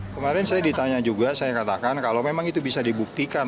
kemarin saya ditanya juga saya katakan kalau memang itu bisa dibuktikan